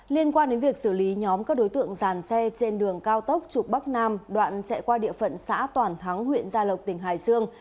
liên quan đến việc xử lý nhóm các đối tượng giàn xe trên đường cao tốc trục bắc nam đoạn chạy qua địa phận xã toàn thắng huyện gia lộc tỉnh hải dương